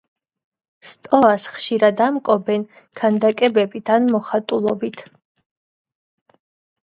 სტოას ხშირად ამკობენ ქანდაკებებით ან მოხატულობით.